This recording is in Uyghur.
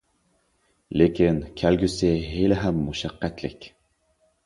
لېكىن كەلگۈسى ھېلىھەم مۇشەققەتلىك.